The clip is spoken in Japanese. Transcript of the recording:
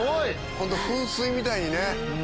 ホント噴水みたいにね。